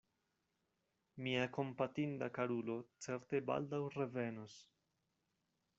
Mia kompatinda karulo certe baldaŭ revenos.